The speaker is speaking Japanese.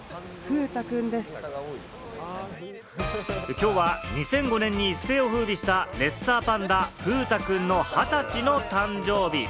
きょうは２００５年に一世を風靡したレッサーパンダ・風太くんの２０歳の誕生日。